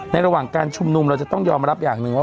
ระหว่างการชุมนุมเราจะต้องยอมรับอย่างหนึ่งว่า